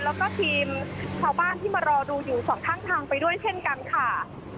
แล้วก็ทีมชาวบ้านที่มารอดูอยู่สองข้างทางไปด้วยเช่นกันค่ะ